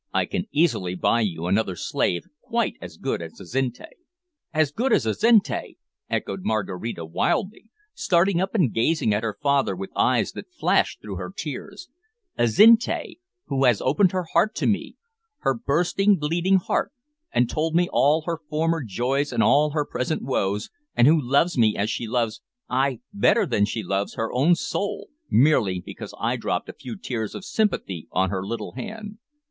I can easily buy you another slave quite as good as Azinte." "As good as Azinte!" echoed Maraquita wildly, starting up and gazing at her father with eyes that flashed through her tears, "Azinte, who has opened her heart to me her bursting, bleeding heart and told me all her former joys and all her present woes, and who loves me as she loves ay, better than she loves her own soul, merely because I dropped a few tears of sympathy on her little hand!